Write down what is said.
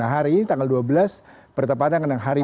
hari ini tanggal dua belas pertempatan dengan hari bukit